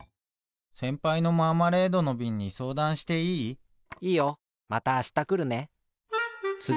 せんぱいのマーマレードのびんにそうだんしていい？いいよ。またあしたくるね。